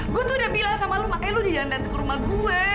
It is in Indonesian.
gue tuh udah bilang sama lo makanya lo di jalan jalan ke rumah gue